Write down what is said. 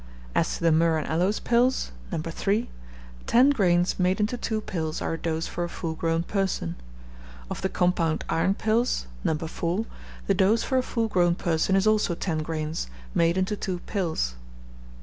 [As to the myrrh and aloes pills (No. 3), 10 grains made into two pills are a dose for a full grown person. Of the compound iron pills (No. 4), the dose for a full grown person is also 10 grains, made into two pills.